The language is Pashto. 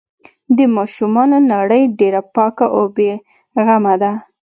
د ماشومانو نړۍ ډېره پاکه او بې غمه ده.